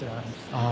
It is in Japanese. ああ